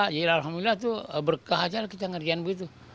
jadi alhamdulillah itu berkah saja kita ngerjain begitu